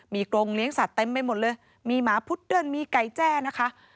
มีกรงเลี้ยงสัตว์เต็มไปหมดเลยมีหมาพุดเดิ้ลมีไก่แจ้นะคะ